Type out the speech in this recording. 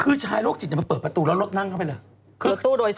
คือชายโรคจิตมันเปิดประตูแล้วรถนั่งเข้าไปเลย